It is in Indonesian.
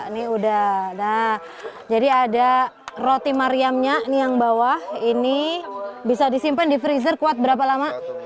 ini udah nah jadi ada roti mariamnya nih yang bawah ini bisa disimpan di freezer kuat berapa lama